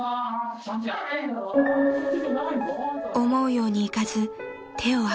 ［思うようにいかず手を上げることも］